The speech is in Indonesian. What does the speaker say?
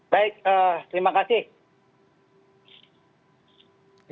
baik terima kasih